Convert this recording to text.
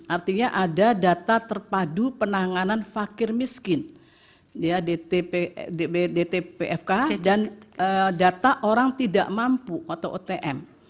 artinya ada data terpadu penanganan fakir miskin dtpfk dan data orang tidak mampu atau otm